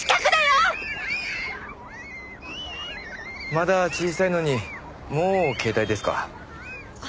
まだ小さいのにもう携帯ですか。